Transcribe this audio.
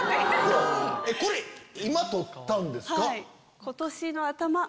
これ今撮ったんですか？